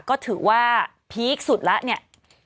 ก็ถือว่าพีคสุดแล้วเนี่ย